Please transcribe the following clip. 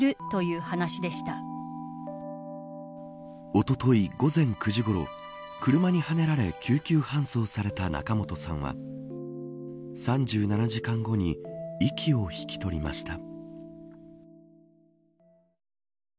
おととい午前９時ごろ車にはねられ救急搬送された仲本さんは３７時間後に息を引き取りました。